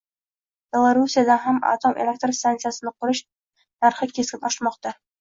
Belarusiyada ham atom elektr stantsiyasini qurish narxi keskin oshmoqda